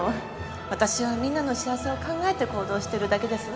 私はみんなの幸せを考えて行動してるだけですわ。